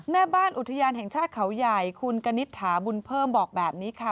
แม่บ้านอุทยานแห่งชาติเขาใหญ่คุณกณิตถาบุญเพิ่มบอกแบบนี้ค่ะ